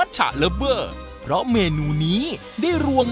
ดังนั้นลองเลยครับ